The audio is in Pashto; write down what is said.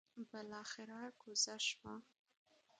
بلاخره کوزه شوه.